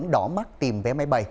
đỏ mắt tìm vé máy bay